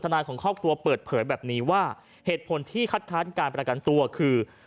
นายของครอบครัวเปิดเผยแบบนี้ว่าเหตุผลที่คัดค้านการประกันตัวคือ